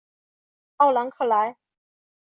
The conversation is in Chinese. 奥兰克莱。